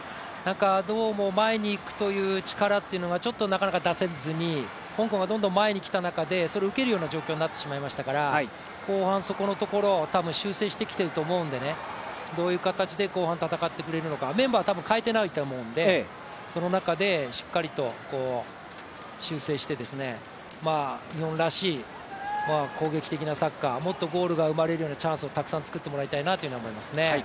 どうも前に行く力というのがなかなか出せずに、香港がどんどん前に来た中でそれを受ける状況になってしまいましたから後半、そこのところを修正してきていると思うのでどういう形で後半戦ってきてくれるのかメンバー多分変えてないと思うので、その中でしっかりと修正して、日本らしい攻撃的なサッカー、もっとゴールが生まれるようなチャンスをたくさん作ってもらいたいと思いますね。